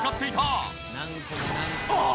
ああ！